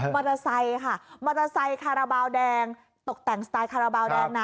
มอเตอร์ไซค์คาราบาลแดงตกแต่งสไตล์คาราบาลแดงนะ